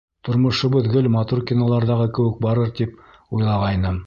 Тормошобоҙ гел матур киноларҙағы кеүек барыр тип уйлағайным.